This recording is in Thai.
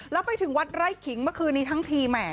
แล้วไปถึงวัดไร่ขิงเมื่อคืนนี้ทั้งทีแหม